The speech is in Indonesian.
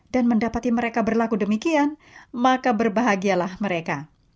dan mendapati mereka berlaku demikian maka berbahagialah mereka